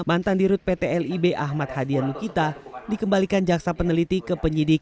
mantan dirut pt lib ahmad hadian mukita dikembalikan jaksa peneliti ke penyidik